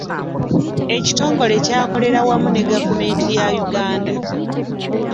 Ekitongole kyakolera wamu ne gavumenti ya Uganda.